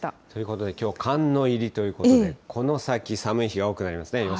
ということで、きょうは寒の入りということで、この先、寒い日が多くなりますね。